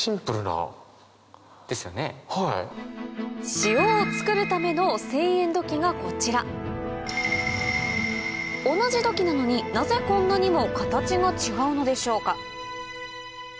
塩を作るためのがこちら同じ土器なのになぜこんなにも形が違うのでしょうか？